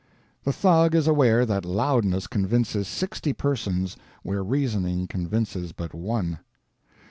The thug is aware that loudness convinces sixty persons where reasoning convinces but one.